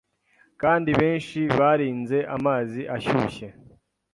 Kandi benshi barinze amazi ashyushye